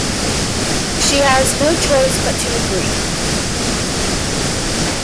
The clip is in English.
She has no choice but to agree.